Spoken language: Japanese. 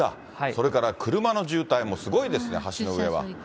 それから車の渋滞もすごいですね、橋の上は。